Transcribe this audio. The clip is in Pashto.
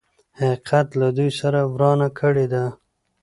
حقيقت له دوی سره ورانه کړې ده.